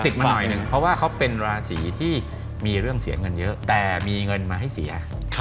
หน่อยหนึ่งเพราะว่าเขาเป็นราศีที่มีเรื่องเสียเงินเยอะแต่มีเงินมาให้เสีย